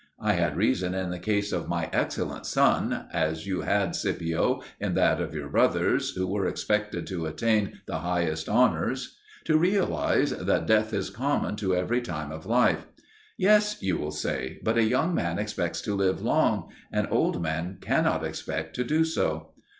I had reason in the case of my excellent son as you had, Scipio, in that of your brothers, who were expected to attain the highest honours to realise that death is common to every time of life. Yes, you will say; but a young man expects to live long; an old man cannot expect to do so.